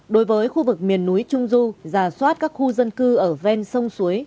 đối với khu vực miền núi trung du giả soát các khu dân cư ở ven sông suối